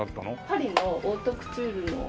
パリのオートクチュールの。